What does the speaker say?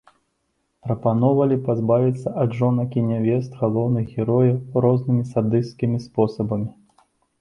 Прапаноўвалі пазбавіцца ад жонак і нявест галоўных герояў рознымі садысцкімі спосабамі.